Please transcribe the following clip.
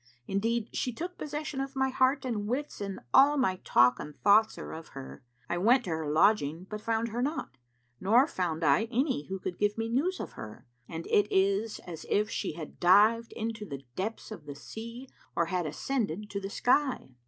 Indeed she took possession of my heart and wits and all my talk and thoughts are of her. I went to her lodging but found her not, nor found I any who could give me news of her, and it is as if she had dived into the depths of the sea or had ascended to the sky."